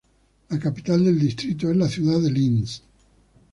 La capital del distrito es la ciudad de Linz.